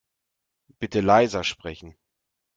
Bitte leiser sprechen.